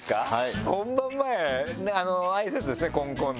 本番前挨拶ですねコンコンの。